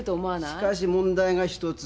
しかし問題が一つ。